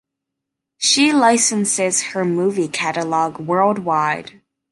She licenses her movie catalog worldwide.